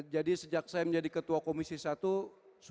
jadi sejak saya menjadi ketua komisi satu sudah berhasil